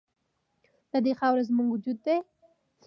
د دې خاوره زموږ وجود دی؟